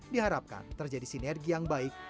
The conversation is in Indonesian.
diharapkan terjadi sinergi yang baik